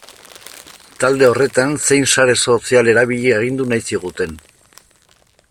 Talde horretan zein sare sozial erabili agindu nahi ziguten.